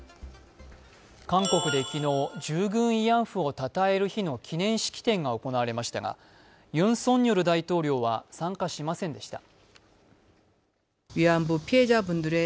韓国で昨日、従軍慰安婦をたたえる日の記念式典が行われましたがユン・ソンニョル大統領は参加しませんでした。